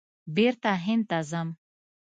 بېرته هند ته ځم !